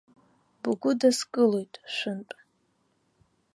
Бгәыдыскылоит шәынтә!